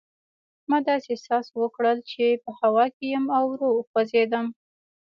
ما داسې احساس وکړل چې په هوا کې یم او ورو خوځېدم.